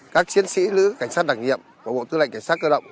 các chiến sĩ nữ cảnh sát đặc nhiệm và bộ tư lệnh cảnh sát cơ động